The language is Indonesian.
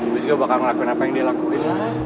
gue juga bakal ngelakuin apa yang dia lakuin